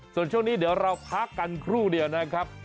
ส่วนช่วงนี้เดี๋ยวเราพักกันครู่เดียวนะครับ